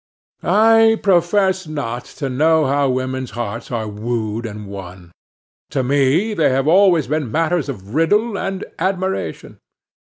I profess not to know how women's hearts are wooed and won. To me they have always been matters of riddle and admiration.